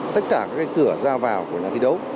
tất cả các cửa ra vào của nhà thi đấu